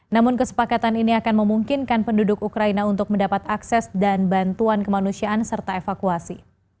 namun kesepakatan ini akan memungkinkan penduduk ukraina untuk mendapat akses dan bantuan kemanusiaan serta evakuasi